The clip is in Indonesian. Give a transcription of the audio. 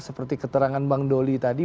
seperti keterangan bang doli tadi